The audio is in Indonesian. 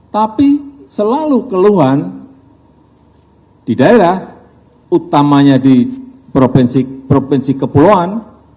tapi selalu keluhan di daerah utamanya di provinsi provinsi kepulauan